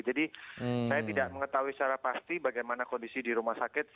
jadi saya tidak mengetahui secara pasti bagaimana kondisi di rumah sakit